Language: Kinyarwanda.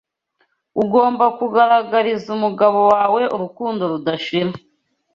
ugomba kugaragariza umugabo wawe urukundo rudashira